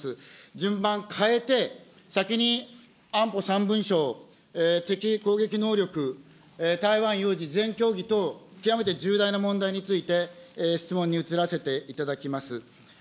順番変えて、先に安保三文書、敵攻撃能力、台湾有事、前協議等、極めて重大な問題について、質問に移らせていただきます。